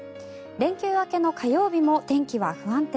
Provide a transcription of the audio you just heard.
連休明けの火曜日も天気は不安定。